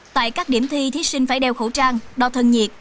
tại các điểm thi thí sinh phải đeo khẩu trang đo thân nhiệt